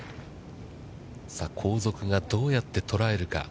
さあ、後続がどうやって捉えるか。